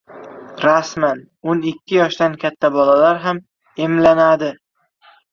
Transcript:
Rasman! o'n ikki yoshdan katta bolalar ham emlanadi